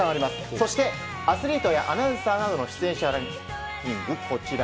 そして、アスリートやアナウンサーなど出演者がこちら。